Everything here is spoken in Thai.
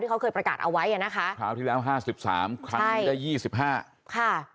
ที่เขาเคยประกาศเอาไว้อ่ะนะคะคราวที่แล้ว๕๓ครั้งนี้ได้๒๕ค่ะ